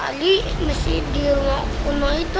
ali masih di rumah rumah itu